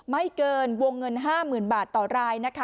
ไม่เกินวงเงิน๕๐๐๐บาทต่อรายนะคะ